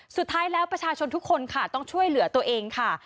สุดท้ายแล้วประชาชนทุกคนค่ะต้องช่วยเหลือตัวเองค่ะ